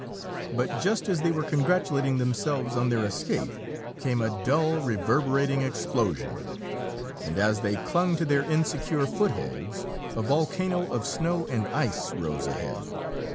But just as they were congratulating themselves on their escape, came a dull, reverberating explosion and as they clung to their insecure footholds, a volcano of snow and ice rose ahead.